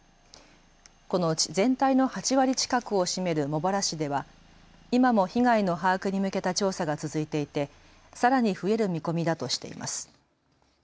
このうち全体の８割近くを占める茂原市では今も被害の把握に向けた調査が続いていてさらに増える見込みだとしています。